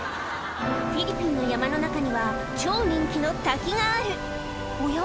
フィリピンの山の中には超人気の滝があるおや？